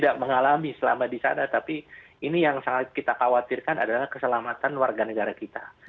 tidak mengalami selama di sana tapi ini yang sangat kita khawatirkan adalah keselamatan warga negara kita